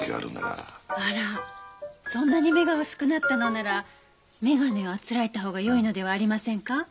あらそんなに目が薄くなったのならめがねをあつらえた方がよいのではありませんか？